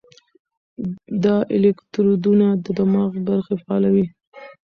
دا الکترودونه د دماغ برخې فعالوي.